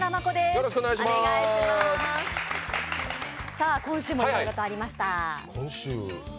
さあ、今週もいろいろとありました。